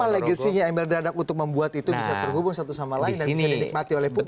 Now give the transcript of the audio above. apa legacynya emil dardak untuk membuat itu bisa terhubung satu sama lain dan bisa dinikmati oleh publik